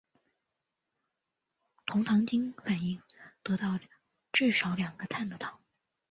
酮糖经反应得到少两个碳的糖。